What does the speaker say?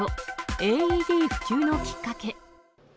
ＡＥＤ普及のきっかけ。